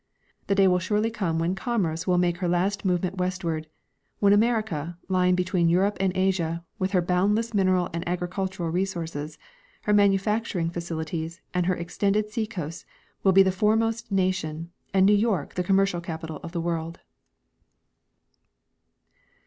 The day will surely come when commerce will make her last movement westward, when America, lying between Europe and Asia, with her boundless mineral and agricultural resources, her manufacturing facilities, her extended sea coasts, will be the foremost nation and New York the commercial capital of the world.